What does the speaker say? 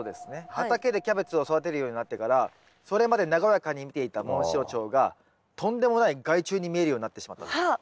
畑でキャベツを育てるようになってからそれまで和やかに見ていたモンシロチョウがとんでもない害虫に見えるようになってしまったという。